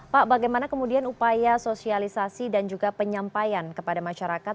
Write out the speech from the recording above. pak bagaimana kemudian upaya sosialisasi dan juga penyampaian kepada masyarakat